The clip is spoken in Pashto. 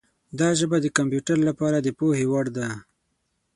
دا ژبه د کمپیوټر لپاره د پوهې وړ ده.